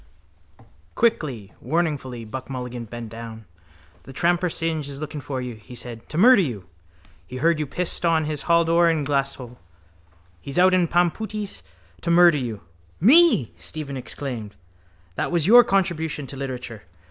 Quickly, warningfully Buck Mulligan bent down. —The tramper Synge is looking for you, he said, to murder you. He heard you pissed on his halldoor in Glasthule. He's out in pampooties to murder you. —Me! Stephen exclaimed. That was your contribution to literature.